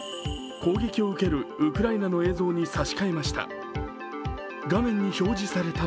攻撃を受けるウクライナの映像に差し替えました。